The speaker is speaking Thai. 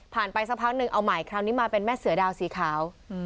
ผ่านไปสักครั้งนึงเอาใหม่ครั้งนี้มาเป็นแม่เสือดาวสีขาว